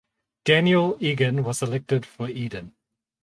Daniel Egan was elected for Eden.